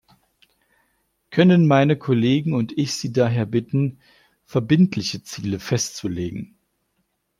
Können meine Kollegen und ich Sie daher bitten, verbindliche Ziele festzulegen?